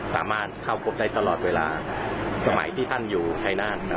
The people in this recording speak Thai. สามารถเข้าพบได้ตลอดเวลาสมัยที่ท่านอยู่ชายนาฏ